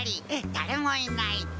だれもいない。